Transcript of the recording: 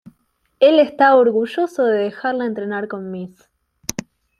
Él está orgulloso de dejarla entrenar con Ms.